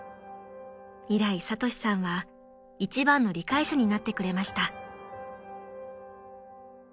［以来聡志さんは一番の理解者になってくれました］